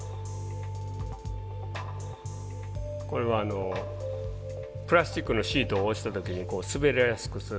これはプラスチックのシートを押した時に滑りやすくするために。